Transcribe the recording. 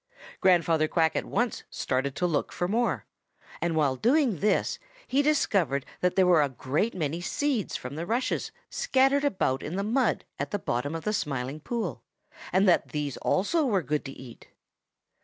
Grandfather Quack at once started to look for more, and while doing this he discovered that there were a great many seeds from the rushes scattered about in the mud at the bottom of the Smiling Pool, and that these also were good to eat.